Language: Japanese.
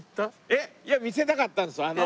えっいや見せたかったんですあの。